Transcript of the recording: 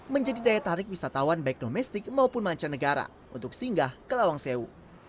menjadi daya tarik wisatawan baik domestik maupun mancanegara untuk singgah ke lawang sewu